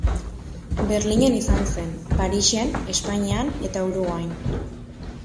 Berlinen izan zen, Parisen, Espainian eta Uruguain.